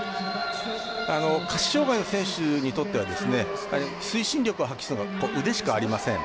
下肢障がいの選手にとっては推進力を発揮するのは腕しかありません。